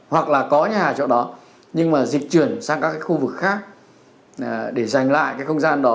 hoặc là có nhà ở chỗ đó nhưng mà dịch chuyển sang các khu vực khác để giành lại cái không gian đó